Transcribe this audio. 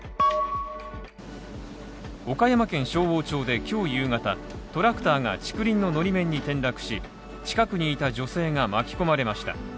岡山県勝央町で今日夕方トラクターが竹林ののり面に転落し、近くにいた女性が巻き込まれました。